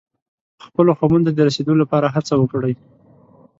خپلو خوبونو ته د رسېدو لپاره هڅه وکړئ.